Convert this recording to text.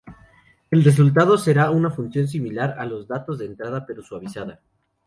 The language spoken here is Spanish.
El resultado será una función similar a los datos de entrada, pero suavizada.